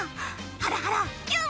ハラハラキュン！